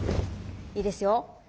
いいですよ。